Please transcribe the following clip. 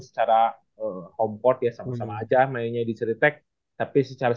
pertah daya bakri jakarta